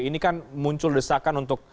ini kan muncul desakan untuk